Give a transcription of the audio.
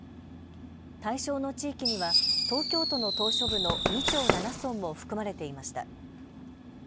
対象の地域には東京都の島しょ部の２町７村も含まれていました。